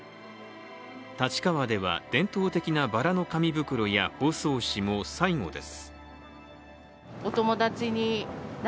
立川では、伝統的なばらの紙袋や包装紙も最後です。